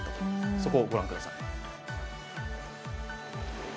そこをご覧ください。